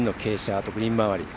あとグリーン周り。